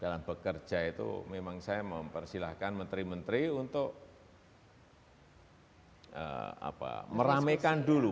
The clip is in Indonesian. dalam bekerja itu memang saya mempersilahkan menteri menteri untuk meramaikan dulu